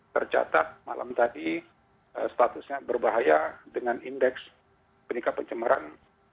tercatat malam tadi statusnya berbahaya dengan indeks peningkatan pencemaran